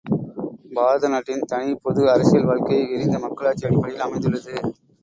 பாரத நாட்டின் தனி பொது அரசியல் வாழ்க்கை விரிந்த மக்களாட்சி அடிப்படையில் அமைந்துள்ளது.